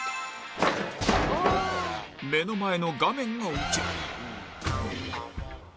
目の前の画面が落ちる